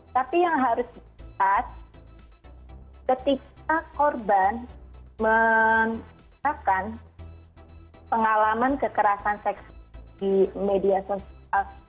tapi yang harus dikatakan ketika korban menyebabkan pengalaman kekerasan seks di media sosial